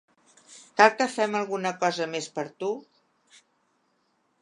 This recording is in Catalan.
Cal que fem alguna cosa més per tu?